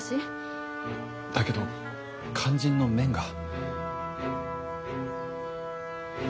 だけど肝心の麺が。